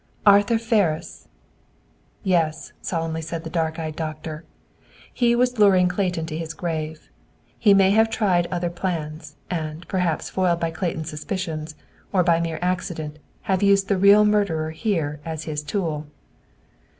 "Arthur Ferris!" "Yes," solemnly said the dark eyed doctor. "He was luring Clayton to his grave! He may have tried other plans, and, perhaps foiled by Clayton's suspicions or by mere accident, have used the real murderer here as his tool."